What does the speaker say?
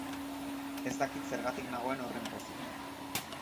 Ez dakit zergatik nagoen horren pozik.